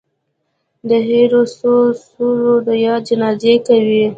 د هېرو سوو څهرو د ياد جنازې کوي